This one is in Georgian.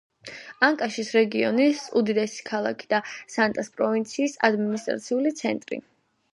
ანკაშის რეგიონის უდიდესი ქალაქი და სანტას პროვინციის ადმინისტრაციული ცენტრი.